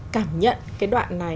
cảm nhận cái đoạn này